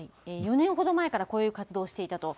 ４年ほど前からこういう活動をしていたと。